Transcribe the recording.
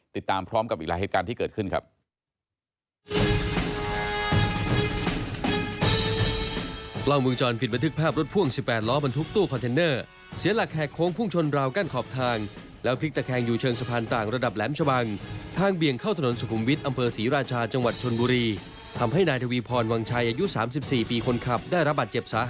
ติดตามพร้อมกับอีกหลายเหตุการณ์ที่เกิดขึ้นครับ